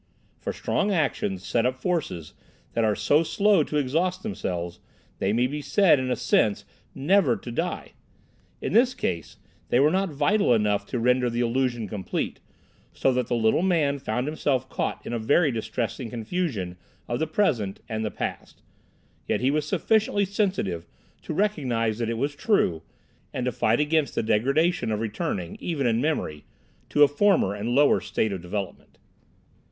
For strong actions set up forces that are so slow to exhaust themselves, they may be said in a sense never to die. In this case they were not vital enough to render the illusion complete, so that the little man found himself caught in a very distressing confusion of the present and the past; yet he was sufficiently sensitive to recognise that it was true, and to fight against the degradation of returning, even in memory, to a former and lower state of development.